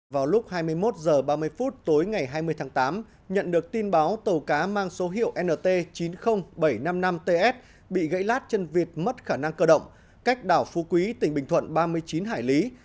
vào lúc hai mươi một h ba mươi phút tối ngày hai mươi tháng tám nhận được tin báo tàu cá mang số hiệu nt chín mươi nghìn bảy trăm năm mươi năm ts bị gãy lát chân vịt mất khả năng cơ động cách đảo phú quý tỉnh bình thuận ba mươi chín hải lý